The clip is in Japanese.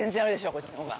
こっちの方が。